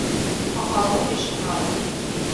Һаҡаллы эш ҡоралы.